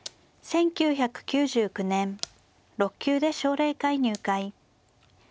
１９９９年６級で奨励会入会。